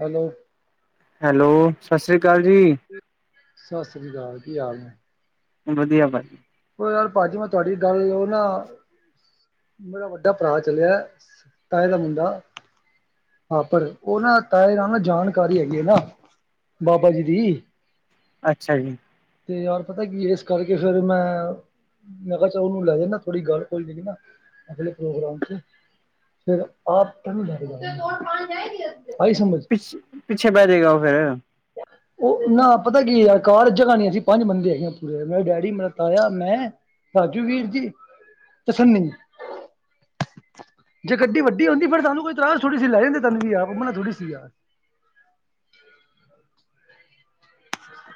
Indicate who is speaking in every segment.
Speaker 1: Hello.
Speaker 2: Hello, ਸਤਿ ਸ਼੍ਰੀ ਅਕਾਲ ਜੀ।
Speaker 1: ਸਤਿ ਸ੍ਰੀ ਅਕਾਲ, ਕੀ ਹਾਲ ਏ?
Speaker 2: ਵਧੀਆ, ਭਾਈ।
Speaker 1: ਓ ਯਾਰ ਭਾਜੀ, ਮੈਂ ਤੁਹਾਡੀ ਗੱਲ ਓ ਨਾ ਮੇਰਾ ਵੱਡਾ ਭਰਾ ਚਲਿਆ, ਤਾਏ ਦਾ ਮੁੰਡਾ ਹਾਖਰ। ਓ ਨਾ, ਤਾਏ ਨਾਲ ਨਾ ਜਾਣਕਾਰੀ ਹੈਗੀ ਹੈ ਨਾ ਬਾਬਾ ਜੀ ਦੀ।
Speaker 2: ਅੱਛਾ ਜੀ।
Speaker 1: ਤੇ ਯਾਰ ਪਤਾ ਕੀ, ਏ ਇਸ ਕਰਕੇ ਫੇਿਰ ਮੈਂ ਮੈਂ ਕਿਹਾ ਚਲੋ, ਉਹਨੂੰ ਲੈ ਜਾਣਾ, ਥੋੜੀ ਗੱਲ ਹੋਈ ਸੀ ਨਾ ਅਗਲੇ ਪ੍ਰੋਗਰਾਮ ਚ ਫਿਰ, ਆਪ ਕਿੱਨੁ ਲੈਕੇ ਜਾਨਾ [unintelligible] ਤੁਸੀਂ ਵੋਟ ਪਾਣ, ਗਏ ਸੀਗੇ?
Speaker 2: ਪਿੱਛ-ਪਿੱਛੇ ਬਹਿ ਜਾਏਗਾ ਉਹ ਫੇਿਰ।
Speaker 1: ਉਹ ਨਾ, ਪਤਾ ਕੀ ਅ ਕਾਰ ਚ ਜਗ੍ਹਾ ਨਹੀਂ ਸੀਂ। ਪੰਜ ਬੰਦੇ ਹੈਗੇ ਆਂ। ਮੇਰੇ ਡੈਡੀ, ਮੇਰਾ ਤਾਇਆ, ਮੈਂ ਰਾਜੂ ਵੀਰ ਜੀ ਤੇ ਸੰਨੀ ਜੇ ਗੱਡੀ ਵੱਡੀ ਹੁੰਦੀ ਫਿਰ ਤੁਹਾਨੂੰ ਕੋਈ ਇਤਰਾਜ ਥੋੜੀ ਸੀ ਲੈ ਜਾਂਦੇ ਤੁਹਾਨੂੰ ਵੀ ਯਾਰ ਮਨ੍ਹਾ ਥੋੜੀ ਸੀ ਯਾਰ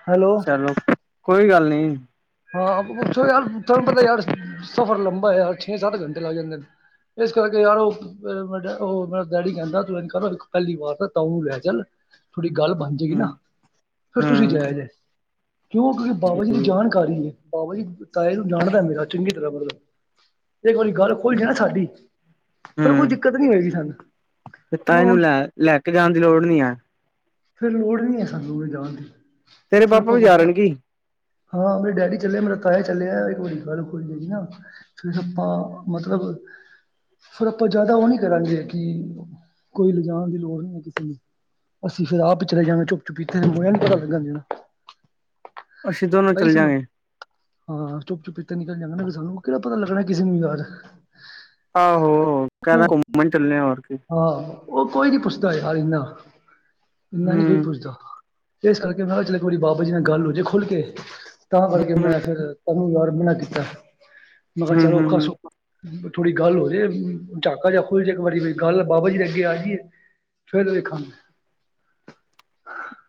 Speaker 1: ਹੈਲੋ।
Speaker 2: ਚਲੋ ਕੋਈ ਗੱਲ ਨੀ।
Speaker 1: ਹਾਂ ਯਾਰ ਤੁਹਾਨੂੰ ਪਤਾ ਯਾਰ ਸਫ਼ਰ ਲੰਬਾ ਹੈ ਯਾਰ ਛੇ- ਸੱਤ ਘੰਟੇ ਲੱਗ ਜਾਂਦੇ ਨੇ। ਇਸ ਕਰਕੇ ਯਾਰ ਓ ਮ ਉਹ ਮੇਰਾ ਡੈਡੀ ਕਹਿੰਦਾ ਤੂੰ ਇੰਝ ਕਰ ਪਹਿਲੀ ਵਾਰ ਤਾਂ ਤਾਉ ਨੂੰ ਲੈ ਚੱਲ ਹਾਡੀ ਗੱਲ ਬਣਦੀ ਏ ਨਾ
Speaker 2: ਹੂੰ
Speaker 1: ਫਿਰ ਤੁਸੀਂ
Speaker 2: ਹੂੰ
Speaker 1: ਜਾਇਆ ਜੇ ਕਿਉਂ ਤੁਸੀਂ ਬਾਬਾ ਜੀ ਦੀ
Speaker 2: ਠੀਕ
Speaker 1: ਜਾਨ ਗੱਲ ਕਰੀਏ ਬਾਬਾ ਜੀ ਤਾਏ ਨੂੰ ਜਾਣਦਾ ਮੇਰਾ ਚੰਗੀ ਤਰ੍ਹਾਂ ਇੱਕ ਵਾਰੀ ਗੱਲ ਕੋਈ ਹੈ ਸਾਡੀ ਫਿਰ ਕੋਈ
Speaker 2: ਹੂੰ
Speaker 1: ਦਿੱਕਤ ਨੀ ਹੋਏਗੀ ਸਾਨੂੰ
Speaker 2: ਤੇ
Speaker 1: ਉਹ
Speaker 2: ਤਾਏ
Speaker 1: ਹੁਣ
Speaker 2: ਲੈ ਕੇ ਜਾਣ ਦੀ ਲੋੜ ਨਹੀਂ ਹੈ।
Speaker 1: ਫੇਰ ਲੋੜ ਨਹੀਂ ਹੈ ਸਾਨੂੰ ਲਿਜਾਣ ਦੀ।
Speaker 2: ਤੇਰੇ
Speaker 1: ਫਿਰ
Speaker 2: ਪਾਪਾ ਵੀ ਜਾ
Speaker 1: ਆਪਾਂ
Speaker 2: ਰਹੇ ਕਿ
Speaker 1: ਹਾਂ ਮੇਰੇ ਡੈਡੀ ਚੱਲੇ ਮੇਰਾ ਤਾਇਆ ਚੱਲਿਆ ਕੋਈ ਗੱਲ ਕੋਈ ਹੋਈ ਨਾ ਹਾਏ ਰੱਬਾ ਮਤਲਬ ਫਿਰ ਆਪਾਂ ਜ਼ਿਆਦਾ ਉਹ ਨਹੀਂ ਕਰਾਂਗੇ ਕਿ ਕੋਈ ਲਿਜਾਣ ਦੀ ਲੋੜ ਨਹੀਂ [unintelligible]
Speaker 2: ਅਸੀਂ ਦੋਨੋਂ
Speaker 1: ਇਹੀ
Speaker 2: ਚੱਲ ਜਾ
Speaker 1: ਸਮਝ
Speaker 2: ਗੇ
Speaker 1: ਹਾਂ ਚੁੱਪ ਚੁੱਪਤੇ ਨਿਕਲ ਜਾਂਣਾ ਸਾਨੂੰ ਕਿਹੜਾ ਪਤਾ ਲੱਗਣਾ ਕਿਸੇ ਨੂੰ ਜਾ ਰਹੇ [inaudible]
Speaker 2: ਆਹੋ ਕਹਿ ਰਿਹਾ ਘੁੰਮਣ ਚੱਲੇ ਹੋਰ ਕਿ
Speaker 1: ਆਹੋ ਉਹ ਕੋਈ ਨੀ ਪੁੱਛਦਾ ਯਾਰ ਇੰਨਾ ਇੰਨਾ
Speaker 2: ਹੂੰ
Speaker 1: ਨਈ ਕੋਈ ਪੁੱਛਦਾ। ਇਸ ਕਰਕੇ ਮੈ ਕਿਹਾ ਚਲੋ ਇੱਕ ਵਾਰੀ ਬਾਬਾ ਜੀ ਨਾਲ ਗੱਲ ਹੋ ਜੇ ਖੁੱਲ ਕੇ ਤਾਂ ਕਰਕੇ ਮੈਂ ਫਿਰ ਤੈਨੂੰ ਯਾਰ ਮਨਾ ਕੀਤਾ। ਮੈਂ ਕਿਹਾ
Speaker 2: ਹੂੰ
Speaker 1: ਚਲੋ
Speaker 2: ਹੂੰ
Speaker 1: ਔਖਾ
Speaker 2: ਹੂੰ
Speaker 1: ਸੌਖ ਥੋੜੀ ਗੱਲ ਹੋ ਜਾਏ ਝਾਕਾ ਜਾ ਖੁਲ ਜਾਏ ਇੱਕ ਵਾਰੀ ਗੱਲ ਬਾਬਾ ਜੀ ਅਗੇ ਆ ਗਈ ਏ ਫਿਰ ਵੇਖਾਂਗੇ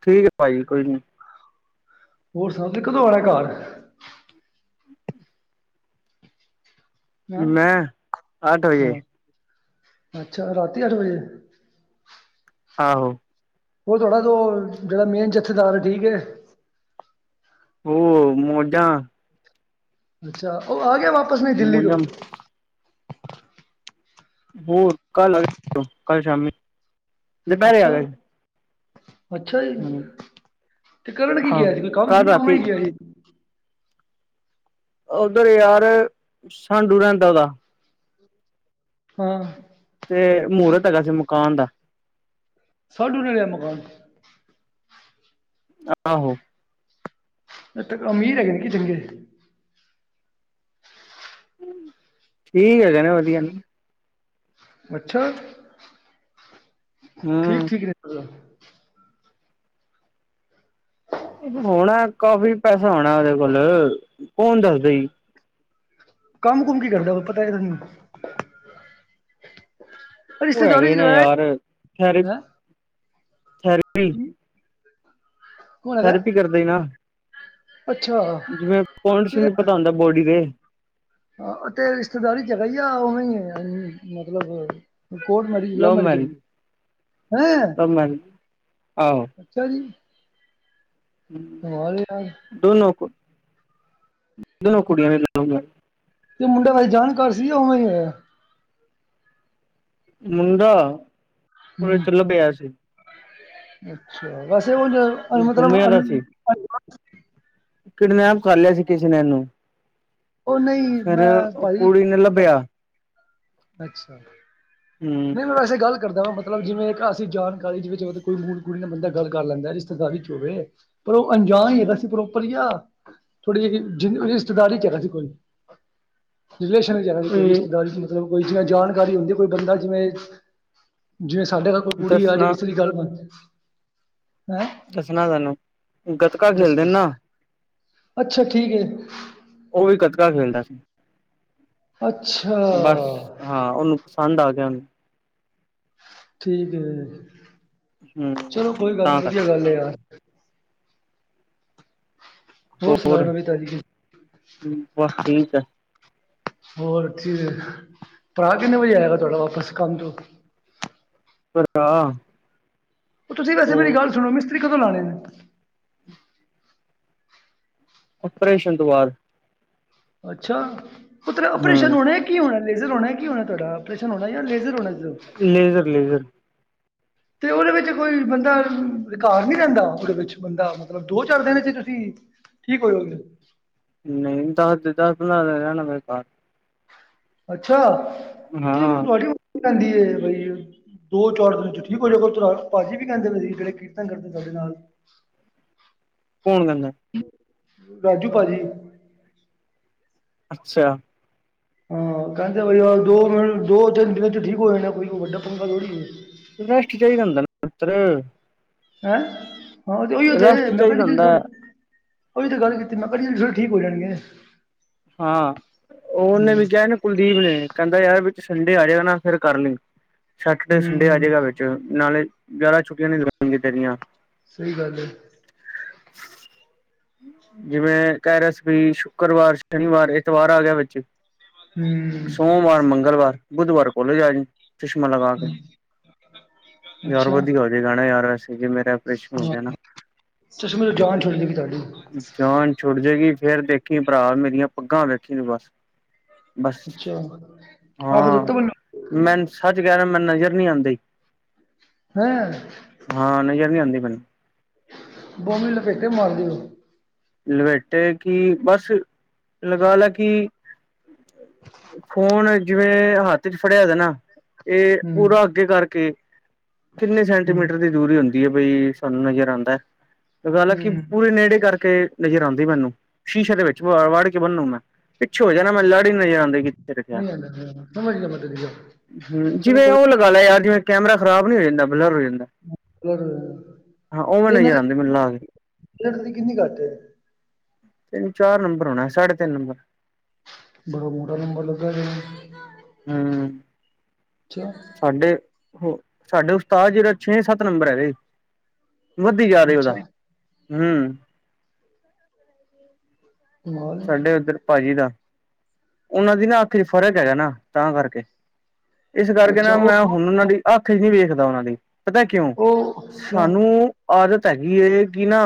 Speaker 2: ਠੀਕ ਹੈ ਭਾਜੀ ਕੋਈ ਨਹੀਂ
Speaker 1: ਹੋਰ ਸਭ ਨੇ ਕਦੋਂ ਆਣਾ ਘਰ ਹਂ
Speaker 2: ਮੈਂ ਅੱਠ ਵਜੇ
Speaker 1: ਹਾਂ ਅੱਛਾ ਰਾਤੀ ਅੱਠ ਵਜੇ
Speaker 2: ਆਹੋ
Speaker 1: ਉਹ ਥੋੜਾ ਜੋ ਜਿਹੜਾ ਮੇਨ ਜਥੇਦਾਰ ਠੀਕ ਏ।
Speaker 2: ਹੋਰ ਮੌਜਾ
Speaker 1: ਅੱਛਾ ਉਹ ਆ ਗਿਆ ਵਾਪਸ ਨੇ ਦਿੱਲੀ ਤੋਂ
Speaker 2: ਮੋਜਾਂ ਹੋਰ ਕੱਲ ਆ ਗਏ ਕੱਲ ਸ਼ਾਮੀ ਦੁਪਹਿਰੇ ਆ
Speaker 1: ਅੱਛਾ
Speaker 2: ਗਏ ਸੀ।
Speaker 1: ਅੱਛਾ ਜੀ ਤੇ ਕਰਨ ਕੀ
Speaker 2: ਹਾਂ
Speaker 1: ਗਿਆ ਸੀ ਕੋਈ ਕੰਮ ਸੀ
Speaker 2: ਕੱਲ
Speaker 1: ਜਾ ਉਵੇ
Speaker 2: ਰਾਤੀ
Speaker 1: ਹੀ ਗਿਆ ਸੀ।
Speaker 2: ਉਧਰ ਯਾਰ ਸਾਂਡੂ ਰਹਿੰਦਾ ਉਹਦਾ
Speaker 1: ਹਾਂ।
Speaker 2: ਤੇ ਮਹੂਰਤ ਹੈਗਾ ਸੀ ਮਕਾਨ ਦਾ
Speaker 1: ਸਾਂਢੂ ਨੇ ਲਿਆ ਮਕਾਨ
Speaker 2: ਆਹੋ
Speaker 1: ਇਹ ਤਾ ਅਮੀਰ ਹੈਗੇ ਨੇ ਕੀ ਚੰਗੇ
Speaker 2: ਠੀਕ ਹੈਗੇ ਨੇ ਵਧੀਆ
Speaker 1: ਅੱਛਾ
Speaker 2: ਹੂੰ
Speaker 1: ਠੀਕ-ਠੀਕ ਨੇ ਮਤਲਬ
Speaker 2: ਹੋਣਾ ਕਾਫੀ ਪੈਸਾ ਹੋਣਾ ਉਹਦੇ ਕੋਲ ਕੌਣ ਦੱਸਦਾ ਈ।
Speaker 1: ਕੰਮ ਕੁਮ ਕੀ ਕਰਦਾ ਵਾ ਪਤਾ ਹੈ ਤੈਨੂੰ
Speaker 2: ਉਹ
Speaker 1: ਰਿਸ਼ਤੇਦਾਰੀ
Speaker 2: ਹੈਗੇ
Speaker 1: 'ਚ
Speaker 2: ਨਾ
Speaker 1: ਜਾ ਆਇਆ
Speaker 2: ਯਾਰ ਥੈਰੇ
Speaker 1: ਹੈਂ।
Speaker 2: ਥੈਰੇਪੀ
Speaker 1: ਜੀ।
Speaker 2: ਥੈਰਪੀ ਕਰਦੇਂ ਗਾ।
Speaker 1: ਅੱਛਾ
Speaker 2: ਜਿਵੇਂ ਪੁਆਇੰਟਸ ਵੀ ਪਤਾ ਹੁੰਦਾ ਬੋਡੀ ਦੇ
Speaker 1: ਆਂ ਤੇਰੀ ਰਿਸ਼ਤੇਦਾਰੀ 'ਚ ਹੈਗਾ ਜਾ ਉਵੇਂ ਹੀ ਹੈਗਾ ਮਤਲਬ ਕੋਟ ਮੈਰਿਜ਼ ਲਵ ਮੈਰਿਜ਼ ਹੋਈ ਹੈ ਹੈਂ।
Speaker 2: ਲਵ ਮੈਰਿਜ ਆਹੋ।
Speaker 1: ਅੱਛਾ ਜੀ, ਕਮਾਲ ਏ ਯਾਰ।
Speaker 2: ਦੋਨੋ ਕੋਲ, ਦੋਨੋ ਕੁੜੀਆਂ ਨੇ ਦੋ ਦੌ
Speaker 1: ਤੇ ਮੁੰਡੇ ਵਾਲੇ, ਜਾਣਕਾਰ ਸੀ ਯਾਂ ਉਵੇਂ ਹੀ ਹੋਇਆ ਐ।
Speaker 2: ਮੁੰਡਾ, ਟੋਏ
Speaker 1: ਹੂੰ
Speaker 2: ਚੋ ਲੱਭਿਆ ਸੀ।
Speaker 1: ਅੱਛਾ ਵੈਸੇ ਉਂਝ ਮਤਲਬ
Speaker 2: ਗੁੰਮਿਆਂ ਦਾ ਸੀ
Speaker 1: ਅਨ-
Speaker 2: ਕਿਡਨੈਪ ਕਰ ਲਿਆ ਸੀ ਕਿਸੇ ਨੇ ਇਹਨੂੰ।
Speaker 1: ਉਹ ਨਹੀਂ
Speaker 2: ਫੇਰ
Speaker 1: ਮੈਂ ਭਾਜੀ
Speaker 2: ਕੁੜੀ ਨੇ ਲੱਭਿਆ
Speaker 1: ਨਹੀਂ
Speaker 2: ਹੂੰ
Speaker 1: ਵੈਸੇ ਗੱਲ ਕਰਦਾ ਵਾ ਮਤਲਬ ਜਿਵੇਂ ਇੱਕ ਅਸੀਂ ਜਾਣਕਾਰੀ ਜਿਵੇਂ ਕੋਈ ਮੂੜ ਮੁੰਡਾ ਕੁੜੀ ਨਾਲ ਬੰਦਾ ਗੱਲ ਕਰ ਲੈਂਦਾ ਰਿਸ਼ਤੇਦਾਰੀ ਚ ਹੋਵੇ। ਪਰ ਉਹ ਅਣਜਾਨ ਹੀ ਹੈਗਾ ਸੀ ਪ੍ਰੋਪਰ ਜਾਂ ਥੋੜ੍ਹੀ ਜਿਗੀ ਰਿਸ਼ਤੇਦਾਰੀ ਚ ਹੈਗਾ ਸੀ ਕੋਈ। ਰਿਲੇਸ਼ਨ ਚ ਹੈਗੇ ਕੋਈ ਰਿਸ਼ਤੇਦਾਰੀ ਮਤਲਬ ਕੋਈ ਜਿਵੇੰ ਜਾਣਕਾਰੀ ਹੁੰਦੀ ਕੋਈ ਬੰਦਾ ਜਿਵੇਂ ਸਾਡੇ ਨਾਲ ਕੋਈ ਕੁੜੀ ਆਜੇ
Speaker 2: ਦੱਸਣਾ
Speaker 1: ਵਿਚਲੀ ਗੱਲ ਬਣਜੇ ਹੈੰ।
Speaker 2: ਦੱਸਣਾ ਤੈਨੂੰ ਗੱਤਕਾ ਖੇਲਦੇ ਨੇ
Speaker 1: ਦੱਸੋ
Speaker 2: ਨਾ।
Speaker 1: ਅੱਛਾ ਠੀਕ ਏ।
Speaker 2: ਉਹ ਵੀ ਗੱਤਕਾ ਖੇਲਦਾ ਸੀ।
Speaker 1: ਅੱਛਾ
Speaker 2: ਬਸ ਹਾਂ ਉਹਨੂੰ ਪਸੰਦ ਆ ਗਿਆ ਉਹਨੂੰ।
Speaker 1: ਠੀਕ ਏ
Speaker 2: ਹੂੰ
Speaker 1: ਚਲੋ ਕੋਈ ਗੱਲ ਨਹੀਂ
Speaker 2: ਤਾਂ ਕਰਕੇ
Speaker 1: ਵਧੀਆ ਗੱਲ ਏ ਯਾਰ। ਹੋਰ ਸੁਣਾਓ ਨਵੀ ਤਾਜੀ।
Speaker 2: ਬਸ ਠੀਕ ਹੈ
Speaker 1: ਹੋਰ ਠੀਕ ਏ ਭਰਾ ਕਿੰਨੇ ਵਜੇ ਆਏਗਾ ਤੁਹਾਡਾ ਵਾਪਸ ਕੰਮ ਤੋਂ।
Speaker 2: [unintelligible] [unintelligible]
Speaker 1: ਉਹ ਤੁਸੀਂ ਵੈਸੇ ਮੇਰੀ ਗੱਲ ਸੁਣੋ ਮਿਸਤਰੀ ਕਦੋਂ ਲਾਣੇ ਨੇ?
Speaker 2: ਓਪਰੇਸ਼ਨ ਤੋਂ ਬਾਅਦ।
Speaker 1: ਅੱਛਾ ਓ ਤੇਰਾ
Speaker 2: ਹੂੰ
Speaker 1: ਓਪਰੇਸ਼ਨ ਹੋਣਾ ਕੀ ਹੋਣਾ ਲੇਜ਼ਰ ਹੋਣਾ ਕੀ ਹੋਣਾ ਤੁਹਾਡਾ ਓਪਰੇਸ਼ਨ ਹੋਣਾ ਜਾਂ ਲੇਜ਼ਰ ਹੋਣਾ?
Speaker 2: Laser laser.
Speaker 1: ਤੇ ਓਹਦੇ ਵਿੱਚ ਕੋਈ ਬੰਦਾ ਘਾਰ ਨੀਂ ਰਹਿੰਦਾ ਓਹਦੇ ਵਿੱਚ ਬੰਦਾ ਮਤਲਬ ਦੋ ਚਾਰ ਦਿਨ ਤੁਸੀ ਠੀਕ ਕੋਈ ਗੱਲ ਨੀ।
Speaker 2: ਨਹੀਂ ਦੱਸ ਦੇ ਦੱਸ ਰਹਿਣਾ ਮੇਰੇ ਸਾਥ।
Speaker 1: ਅੱਛਾ ਤੇ
Speaker 2: ਹਾਂ
Speaker 1: ਤਵਾਡੀ ਵਹੁਟੀ ਕਹਿੰਦੀ ਏ ਬਈ ਦੋ ਚਾਰ ਦਿਨ ਠੀਕ ਹੋਜੋਗੇ ਉਸ ਤਰ੍ਹਾਂ। ਭਾਜੀ ਵੀ ਕਹਿੰਦੇ ਪਏ ਸੀ ਜਿਹੜੇ ਕੀਰਤਨ ਕਰਦੇ ਨੇ ਤੁਹਾਡੇ ਨਾਲ। [unintelligible]
Speaker 2: ਕੌਣ ਕਹਿੰਦਾ?
Speaker 1: ਰਾਜੂ ਭਾਜੀ
Speaker 2: ਅਛਾ
Speaker 1: ਹਾਂ ਕਹਿੰਦੇ ਵੈ ਯਾਰ ਦੋ ਤਿੰਨ ਦਿਨਾਂ 'ਚ ਠੀਕ ਹੋ ਜਾਣਾ ਐ ਕੋਈ ਵੱਡਾ ਪੰਗਾ ਥੋੜੀ ਏ।
Speaker 2: ਰੈਸਟ ਚਾਹੀਦਾ ਹੁੰਦਾ ਨਾ ਪੁੱਤਰ।
Speaker 1: ਹੈਂ ਹਾਂ ਤੇ ਓਇ ਓ ਤੇ
Speaker 2: ਰੈਸਟ
Speaker 1: ਮੈੰ
Speaker 2: ਚਾਹੀਦਾ
Speaker 1: ਪਹਿਲੀ ਤਰੀਕ
Speaker 2: ਹੁੰਦਾ
Speaker 1: ਥੋਡੇ ਉਹ ਈ ਤੇ ਗੱਲ ਕੀਤੀ ਮੈਂ ਪਹਿਲੀ ਤਰੀਕ ਥੋੜੇ ਠੀਕ ਹੋ ਜਾਣਗੇ।
Speaker 2: ਹਾਂ ਉਹਨੇ
Speaker 1: ਹੂੰ,
Speaker 2: ਵੀ ਕਿਹਾ ਨਾ ਕੁਲਦੀਪ ਨੇ ਕਹਿੰਦਾ ਯਾਰ ਵਿਚ ਸੰਡੇ ਆਜੇ ਗਾ ਨਾ ਫਿਰ ਕਰ ਲਈ ਸੈਟਰਡੇ ਸੰਡੇ ਆ
Speaker 1: ਹੂੰ
Speaker 2: ਜੇਗਾ ਵਿਚ। ਨਾਲੇ ਜ਼ਿਆਦਾ ਛੁੱਟੀਆਂ ਨੀ ਲਗਾਣਗੇ ਤੇਰੀਆਂ।
Speaker 1: ਸਹੀ ਗੱਲ ਏ।
Speaker 2: ਜਿਵੇੰ ਕਹਿ ਰਿਹਾ ਸੀ ਕਿ ਸ਼ੁੱਕਰਵਾਰ ਸ਼ਨੀਵਾਰ ਐਤਵਾਰ ਆ ਗਿਆ ਵਿਚ
Speaker 1: ਹੂੰ
Speaker 2: ਸੋਮਵਾਰ ਮੰਗਲਵਾਰ ਬੁੱਧਵਾਰ ਕਾਲਜ ਆ ਜੀ ਚਸ਼ਮਾ ਲਗਾ ਕੇ ਯਾਰ
Speaker 1: ਅੱਛਾ
Speaker 2: ਵਧੀਆ ਇਹ ਗਾਣਾ ਯਾਰ ਵੈਸੇ ਵੀ ਮੇਰਾ ਆਪਰੇਸ਼ਨ ਹੋ ਗਿਆ ਨਾ।
Speaker 1: ਹਾਂ ਚਸ਼ਮੇ ਤੋੰ ਜਾਨ ਛੋਟ ਜੇਗੀ ਤੁਹਾਡੀ। [unintelligible]
Speaker 2: ਜਾਨ ਛੁਟ ਜੇਗੀ ਫੇਰ ਦੇਖੀ ਭਰਾ ਮੇਰੀਆਂ ਪੱਗਾਂ ਵੇਖੀ ਤੂੰ ਬਸ। ਬਸ
Speaker 1: ਅੱਛਾ ਆਖ
Speaker 2: ਹਾਂ
Speaker 1: ਦਿੱਤਾ ਮੈਨੂੰ
Speaker 2: ਮੈ ਸੱਚ ਕਹਿ ਰਿਹਾ ਮੈਨੂੰ ਨਜ਼ਰ ਨਹੀ ਆਉਦੀ।
Speaker 1: ਹੈਂ।
Speaker 2: ਹਾਂ ਨਜ਼ਰ ਨਹੀਂ ਆਉਂਦੀ ਮੈਨੂੰ।
Speaker 1: ਦੋ ਲਪੇਟੇ ਮਾਰ ਦਿਓ।
Speaker 2: ਲਪੈਟੇ ਕਿ ਬਸ ਲਗਾ ਲਾ ਕਿ। ਫੋਨ ਜਿਵੇ ਹੱਥ ਚ ਫੜਿਆ ਦਾ ਨਾ। ਇਹ
Speaker 1: ਹੂੰ,
Speaker 2: ਪੂਰਾ ਅੱਗੇ ਕਰਕੇ ਕਿਨੇ
Speaker 1: ਹੂੰ,
Speaker 2: ਸੈਂਟੀਮੀਟਰ ਦੀ। ਜ਼ਰੂਰੀ ਹੁੰਦੀ ਹੈ। ਬਈ ਸਾਨੂੰ ਨਜ਼ਰ ਆਉਦਾ ਤੇ ਗੱਲ ਕਿ
Speaker 1: ਹੂੰ
Speaker 2: ਪੂਰੇ ਨੇੜੇ ਕਰਕੇ। ਨਜ਼ਰ ਆਉਦੀ ਮੈਨੂੰ ਸ਼ੀਸ਼ੇ ਦੇ ਵਿਚ ਵੜ ਕੇ ਬੰਨੂੰ ਮੈ ਪਿੱਛੇ ਹੋ ਜਾ ਮੈਨੂੰ ਲੜ ਨਜ਼ਰ ਨਹੀ ਆਂਦੀਆ ਕਿੱਥੇ ਰੱਖਿਆ।
Speaker 1: ਨਹੀਂ ਸਮਝ ਗਿਆ। ਮੈਂ ਤੇਰੀ ਗੱਲ
Speaker 2: ਹੂੰ
Speaker 1: ਚਲੋ
Speaker 2: ਜਿਵੇ
Speaker 1: ਕੋਈ
Speaker 2: ਉਹ ਲਗਾ ਲੈ ਯਾਰ ਜਿਵੇ ਕੈਮਰਾ ਖਰਾਬ ਨੀ ਹੋ ਜਾਂਦਾ ਬਲਰ ਹੋ ਜਾਂਦਾ। ਹਾਂ ਉਹਵੇ ਨਜ਼ਰ ਆਂਦੀ ਮੈਨੂੰ ਲਾ ਕੇ।
Speaker 1: ਲੱਗ ਦੀ ਕਿੰਨੀ ਘੱਟ।
Speaker 2: ਤਿੰਨ ਚਾਰ ਨੰਬਰ ਹੋਣਾ ਸਾਢੇ ਤਿੰਨ ਨੰਬਰ।
Speaker 1: ਬੜਾ ਮੋਟਾ ਨੰਬਰ ਲੱਗਾ ਤੇਰਾ।
Speaker 2: ਹੂੰ - ਸਾਡੇ ਹੋ ਸਾਡੇ ਉਸਤਾਦ ਜੀ ਦਾ ਛੇ ਸੱਤ ਨੰਬਰ ਹੈਗਾ ਜੀ। ਵੱਧੀ ਜਾ ਰਿਹਾ ਉਹਦਾ
Speaker 1: ਅੱਛਾ
Speaker 2: ਹੂੰ।
Speaker 1: ਕਮਾਲ
Speaker 2: ਸਾਡੇ
Speaker 1: ਹੈ।
Speaker 2: ਉਧਰ ਭਾਜੀ ਦਾ ਉਹਨਾ ਦੀ ਨਾ ਅੱਖ 'ਚ ਫਰਕ ਹੈਗਾ ਨਾ। ਤਾਂ ਕਰਕੇ ਇਸ ਕਰਕੇ
Speaker 1: ਅੱਛਾ
Speaker 2: ਨਾ
Speaker 1: ਉਹ
Speaker 2: ਮੈ ਹੁਣ ਉਹਨਾਂ ਦੀ ਅੱਖ 'ਚ ਨਹੀ ਵੇਖਦਾ। ਉਹਨਾਂ ਦੀ ਪਤਾ ਹੈ ਕਿਉ
Speaker 1: ਉਹ ਕਿਉਂ
Speaker 2: ਸਾਨੂੰ ਆਦਤ ਹੈਗੀ ਏ ਕਿ ਨਾ।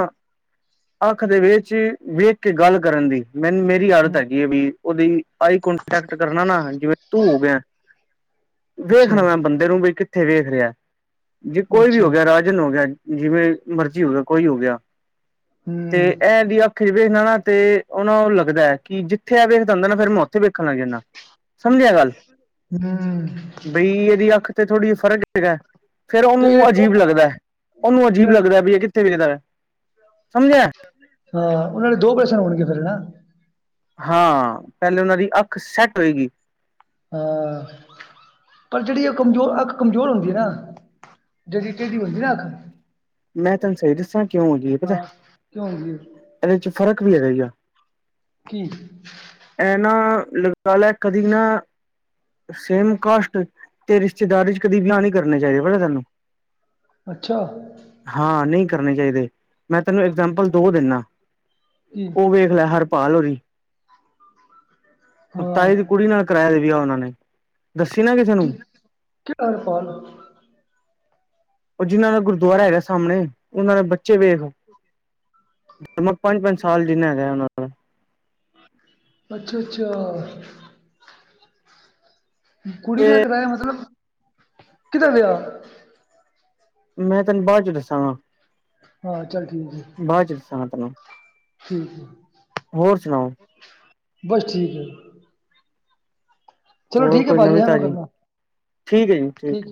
Speaker 2: ਅੱਖ ਦੇ ਵਿਚ ਵੇਖ ਕੇ ਗੱਲ ਕਰਨ ਦੀ ਮੈਨੂੰ ਮੇ। ਵੀ ਆਦਤ
Speaker 1: ਹਮ,
Speaker 2: ਹੈਗੀ ਹੈ। ਵੀ ਉਹਦੀ ਆਈ ਕੋਂਟੈਕਟ ਕਰਨਾ ਨਾ ਜਿਵੇ। ਤੂੰ ਗਿਆ ਵੇਖਣਾ
Speaker 1: ਅੱਛਾ
Speaker 2: ਮੈ ਬੰਦੇ ਨੂੰ ਬਾਈ ਕਿੱਥੇ ਵੇਖ ਰਿਹਾ। ਜੇ ਕੋਈ ਵੀ
Speaker 1: ਅੱਛਾ
Speaker 2: ਹੋ ਗਿਆ ਰਾਜਨ ਹੋ ਗਿਆ ਜਿਵੇ ਮਰਜ਼ੀ ਹੋ ਗਿਆ। ਕੋਈ ਹੋ ਗਿਆ ਤੇ
Speaker 1: ਹੂੰ
Speaker 2: ਇਹ ਦੀਆ- ਵੇਖਦਾ ਨਾ ਤੇ ਉਹਨਾ ਉਹ ਲੱਗਦਾ ਹੈ। ਕਿ ਜਿੱਥੇ ਆ ਵੇਖਦਾ ਹੁੰਦਾ ਨਾ ਫੇਰ ਮੈ ਉਥੇ ਵੇਖਣ ਲੱਗ ਜਾਂਦਾ। ਸਮਝਿਆ ਗੱਲ
Speaker 1: ਹੂੰ ਤੇ
Speaker 2: ਬਈ ਇਹਦੀ ਅੱਖ ਤੇ ਥੋੜ੍ਹੀ ਜਿਹੀ ਫ਼ਰਕ ਪਿਆ। ਫੇਰ
Speaker 1: ਜਿਹੜੇ
Speaker 2: ਉਹਨੂੰ
Speaker 1: ਦੋ
Speaker 2: ਅਜੀਬ ਲੱਗਦਾ ਉਹਨੂੰ ਅਜੀਬ
Speaker 1: ਇਹਨਾਂ
Speaker 2: ਲੱਗਦਾ ਵੀ ਇਹ ਕਿੱਥੇ ਵੇਖਦਾ ਹੈ। ਸਮਝਿਆ
Speaker 1: ਹਾਂ ਉਹਨਾਂ ਨੇ ਦੋ ਪ੍ਰੈਸਿਆਂ ਨੂੰ ਹੋਣਗੇ ਫੇਰ ਹਨ ਨਾ
Speaker 2: ਹਾਂ ਪਹਿਲੇ ਉਹਨਾਂ ਦੀ ਅੱਖ ਸੈਟ ਹੋਏਗੀ।
Speaker 1: ਹਮ ਪਰ ਜਿਹੜੀ ਆ ਕਮਜ਼ੋਰ ਅੱਖ ਕਮਜ਼ੋਰ ਹੁੰਦੀ ਹੈ। ਨਾ ਜਿਹੜੀ ਢੇਡੀ ਹੁੰਦੀ ਨਾ ਅੱਖ
Speaker 2: ਮੈਂ ਤੁਹਾਨੂੰ ਸਹੀ ਦੱਸਾਂ ਕਿਉਂ ਹੋ ਜਾਈ ਹੈ। ਪਤਾ
Speaker 1: ਹਾਂ ਕਿਉਂ ਹੁੰਦੀ ਹੈ
Speaker 2: ਇਹਦੇ ਚ ਫ਼ਰਕ ਵੀ ਹੈਗਾ ਹੀ ਆ
Speaker 1: ਕੀ
Speaker 2: ਇਹਨਾਂ ਲਗਾ ਲੈ ਕਦੀ ਨਾ ਸੇਮ ਕਾਸਟ ਤੇ ਰਿਸ਼ਤੇਦਾਰੀ ਚ ਕਦੇ ਵਿਆਹ ਨਹੀਂ ਕਰਨੇ ਚਾਹੀਦੇ ਪਤਾ ਸਾਨੂੰ।
Speaker 1: ਅੱਛਾ
Speaker 2: ਹਾਂ ਨਹੀਂ ਕਰਨੇ ਚਾਹੀਦੇ, ਮੈਂ ਤੈਨੂੰ ਇਗਜਾਮਪਲ ਦੋ ਦੇਣਾ
Speaker 1: ਕੀ
Speaker 2: ਉਹ ਵ। ਹਰਪਾਲ ਹੋਰੀ।
Speaker 1: ਹਾਂ
Speaker 2: ਤਾਈ ਦੀ ਕੁੜੀ ਨਾਲ ਕਰਾਇਆ ਈ ਵਿਆਹ ਉਹਨਾਂ ਨੇ। ਦੱਸੀ ਨਾ ਕਿਸੇ ਨੂੰ।
Speaker 1: ਕੀ ਕਿਹੜਾ ਹਰਪਾਲ
Speaker 2: ਉਹ ਜਿਹਨਾਂ ਦਾ ਗੁਰਦੁਆਰਾ ਹੈਗਾ ਸਾਹਮਣੇ। ਇਨਾਂ ਦੇ ਬੱਚੇ ਵੇਖ, ਪੰਜ ਪੰਜ ਸਾਲ ਜਿੰਨਾ ਹੈਗਾ ਉਹਨਾਂ [unintelligible]
Speaker 1: ਅੱਛਾ-ਅੱਛਾ। ਕੁੜੀ
Speaker 2: ਤੇ
Speaker 1: ਦਾ ਕਰਾਇਆ, ਮਤਲਬ ਕਿਦਾਂ ਵਿਆਹ
Speaker 2: ਮੈਂ ਤੈਨੂੰ ਬਾਅਦ ਚ ਦੱਸਾਂਗਾ।
Speaker 1: ਹਾਂ ਚੱਲ ਠੀਕ ਹੈ
Speaker 2: ਬਾਅਦ ਚ ਦੱਸਾਂ ਗਾ ਤੈਨੂੰ, ਹੋਰ ਸੁਣਾਓ
Speaker 1: ਬਸ ਠੀਕ ਏ।
Speaker 2: ਹੋਰ ਕੋਈ ਨਵੀਂ ਤਾਜੀ, ਠੀਕ ਹੈ ਜੀ, ਠੀਕ